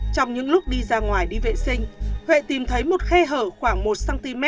trong những lúc đi ra ngoài đi vệ sinh huệ tìm thấy một khe hở khoảng một cm